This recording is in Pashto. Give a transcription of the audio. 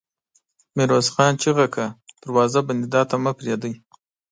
ميرويس خان چيغه کړه! دروازه بندېدا ته مه پرېږدئ!